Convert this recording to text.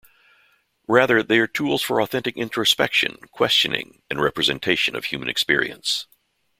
Rather, they are tools for authentic introspection, questioning and representation of human experience.